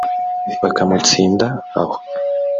bakamutsinda aho